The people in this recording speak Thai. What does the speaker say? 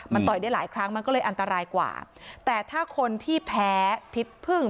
มันต่อยได้หลายครั้งมันก็เลยอันตรายกว่าแต่ถ้าคนที่แพ้พิษพึ่ง